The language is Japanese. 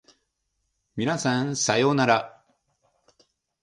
皆さんさようなら